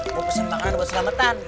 bu pesen makanan buat selamatan